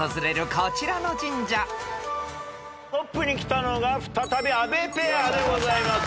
トップに来たのが再び阿部ペアでございます。